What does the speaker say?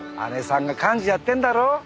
姐さんが幹事やってんだろ？